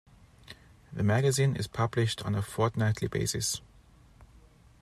The magazine is published on a fortnightly basis.